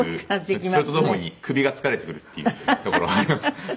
それとともに首が疲れてくるっていうところはあります。